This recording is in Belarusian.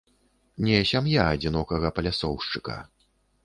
Не сям'я адзінокага палясоўшчыка.